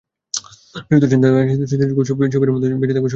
সুচিত্রা সেন তাঁর স্মৃতিটুকু থাক ছবির মতোই বেঁচে থাকবে সবার হূদয়ে।